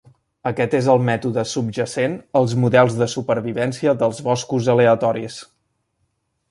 Aquest és el mètode subjacent als models de supervivència dels boscos aleatoris.